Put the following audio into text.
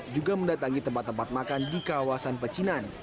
juga mendatangi tempat tempat makan di kawasan pecinan